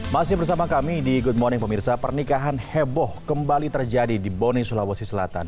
masih bersama kami di good morning pemirsa pernikahan heboh kembali terjadi di bone sulawesi selatan